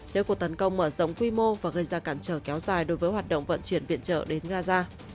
nếu cuộc tấn công mở rộng quy mô và gây ra cản trở kéo dài đối với hoạt động vận chuyển viện trợ đến gaza